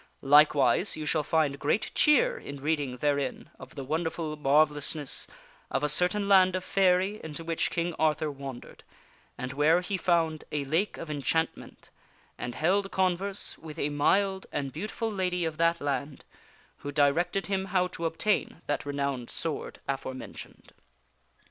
Likewise you shall find great cheer in read ing therein of the wonderful marvellousness of a certain land of Faerie into wliich King Arthur wandered, and where he found a Lake of Enchantment and held converse with a mild and beautiful lady of that land who directed him how to obtain that renowned sword aforementioned.